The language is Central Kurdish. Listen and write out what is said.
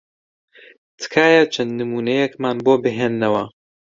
تکایە چەند نموونەیەکمان بۆ بهێننەوە.